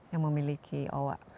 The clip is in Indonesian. yang memiliki owa